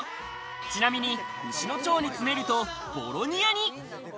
ちなみに牛の腸に詰めるとボロニアに。